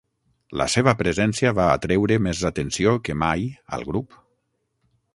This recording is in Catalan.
La seva presència va atreure més atenció que mai al grup.